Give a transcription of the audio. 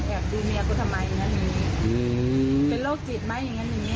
แอบดูเมียก็ทำไมอย่างงี้อืมเป็นโรคจิตไหมอย่างงี้